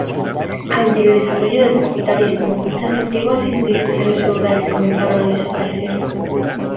Ante el desarrollo del capitalismo, las antiguas instituciones feudales comenzaron a desaparecer.